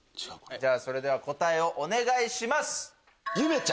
それでは答えをお願いします。